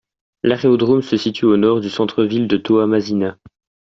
L'aérodrome se situe à au nord du centre-ville de Toamasina.